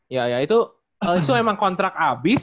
ya itu itu emang kontrak abis